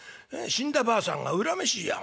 死んだばあさんが恨めしいや